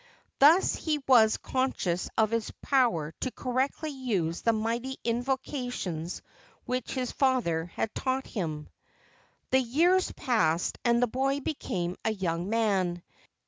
Thus he was conscious of his power to correctly use the mighty invocations which his father had taught him. The years passed and the boy became a young man.